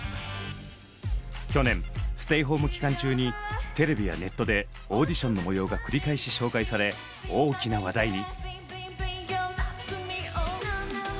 去年ステイホーム期間中にテレビやネットでオーディションの模様が繰り返し紹介され大きな話題に。